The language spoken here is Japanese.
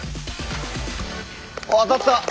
当たった！